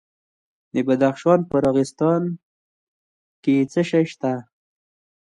د بدخشان په راغستان کې څه شی شته؟